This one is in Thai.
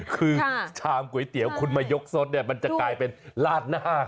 คือชามก๋วยเตี๋ยวคุณมายกสดเนี่ยมันจะกลายเป็นลาดหน้า